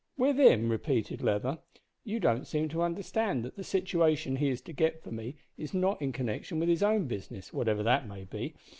"`With him!'" repeated Leather; "you don't seem to understand that the situation he is to get for me is not in connection with his own business, whatever that may be.